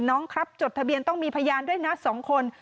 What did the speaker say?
น้องครับจดทะเบียนต้องมีพยานด้วยนะ๒คน